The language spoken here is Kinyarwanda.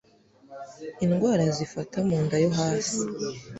Indwara zifata mu nda yo hasi